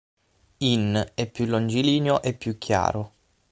In è più longilineo e più chiaro.